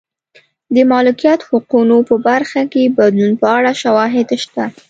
د مالکیت حقونو په برخه کې بدلون په اړه شواهد شته.